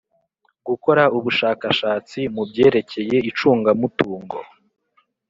Gukora ubushakashatsi mu byerekeye icungamutungo